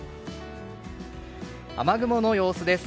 雨雲の様子です。